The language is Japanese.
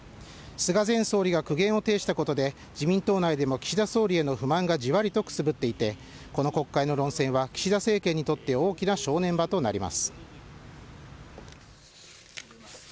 菅前総理が苦言を呈したことで、自民党内でも岸田総理への不満がじわりとくすぶっていて、この国会の論戦は岸田政権にとって大きな正念場となります。